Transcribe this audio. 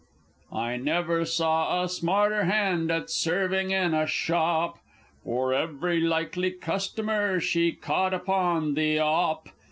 I never saw a smarter hand at serving in a shop, For every likely customer she caught upon the 'op!